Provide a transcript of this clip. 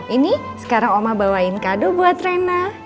ini sekarang oma bawain kado buat rena